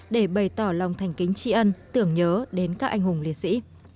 để bày tỏ lòng thành kính tri ân tưởng nhớ đến các anh hùng liệt sĩ